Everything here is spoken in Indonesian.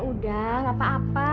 udah gak apa apa